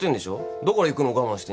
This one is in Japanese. だから行くの我慢してんじゃん。